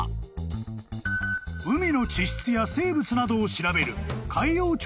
［海の地質や生物などを調べる］